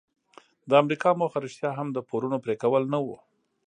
د امریکا موخه رښتیا هم د پورونو پریکول نه وو.